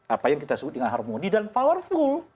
apa yang kita sebut dengan harmoni dan powerful